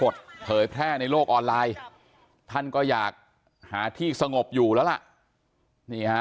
ท่านก็อยากหาที่สงบอยู่แล้วล่ะ